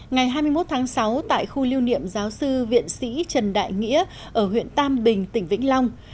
ngày hai mươi một tháng sáu tại khu lưu niệm giáo sư viện sĩ trần đại nghĩa ở huyện tam bình tỉnh vĩnh long